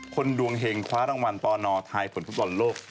คนดวงแห่งคว้ารางวัลปนถ่ายผลผู้บอลโลก